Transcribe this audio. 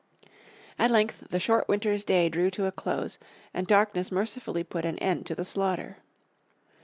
At length the short winter's day drew to a close, and darkness mercifully put an end to the slaughter.